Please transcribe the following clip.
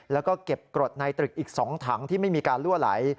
ได้กรดนายตริกอีก๒ถังที่ไม่มีการรั่วไหล